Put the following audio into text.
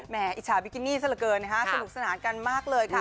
หมออิจฉาบิกินี่ซะเหลือเกินนะคะสนุกสนานกันมากเลยค่ะ